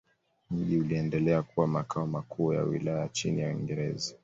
Mji uliendelea kuwa makao makuu ya wilaya chini ya Waingereza.